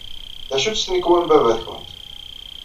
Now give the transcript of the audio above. D acu-tt tnekwa n baba-tkent?